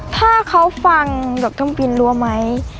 ถ้าเขาฟังหยกต้องปีนรัวไหม